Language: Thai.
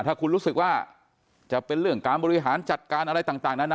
ถ้าคุณรู้สึกว่าจะเป็นเรื่องการบริหารจัดการอะไรต่างนานา